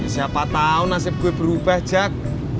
siapa tahu nasib gue berubah jack